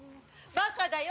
バカだよ。